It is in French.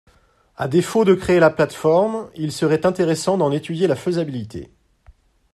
À défaut de créer la plateforme, il serait intéressant d’en étudier la faisabilité.